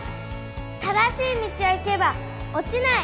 正しい道を行けばおちない。